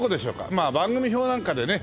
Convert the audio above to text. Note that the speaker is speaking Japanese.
まあ番組表なんかでね